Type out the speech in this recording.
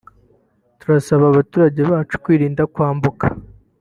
turasaba abaturage bacu kwirinda kwambuka